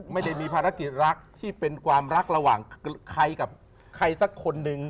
ไม่ได้มีภารกิจรักที่เป็นความรักระหว่างใครกับใครสักคนหนึ่ง